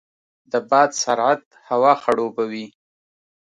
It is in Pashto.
د باد سرعت هوا خړوبوي.